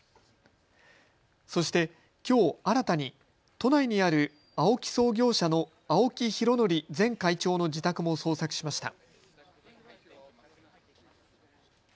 そして、きょう新たに都内にあるＡＯＫＩ創業者の青木拡憲前会長の自宅も捜索しました。